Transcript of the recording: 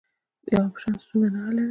یو اپشن ستونزه نه حلوي.